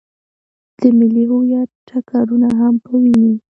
د ملي هویت ټکرونه هم په ويني.